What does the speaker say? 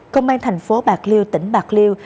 công an thành phố bạc liêu tỉnh bạc liêu